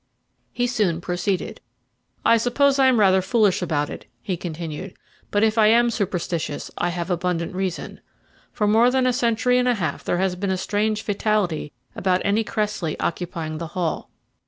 He soon proceeded: "I suppose I am rather foolish about it," he continued; "but if I am superstitious, I have abundant reason. For more than a century and a half there has been a strange fatality about any Cressley occupying the Hall.